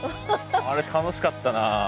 あれ楽しかったな。